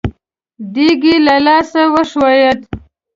دېګ يې له لاسه وښوېد.